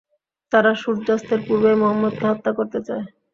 তারা সূর্যাস্তের পূর্বেই মুহাম্মাদকে হত্যা করতে চায়।